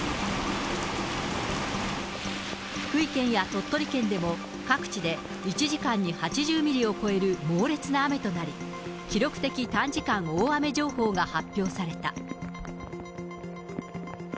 福井県や鳥取県でも、各地で１時間に８０ミリを超える猛烈な雨となり、記録的短時間大雨情報が発表された。